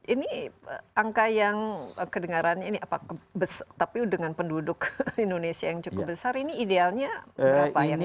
ini angka yang kedengarannya ini tapi dengan penduduk indonesia yang cukup besar ini idealnya berapa